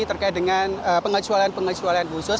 terkait dengan pengecualian pengecualian khusus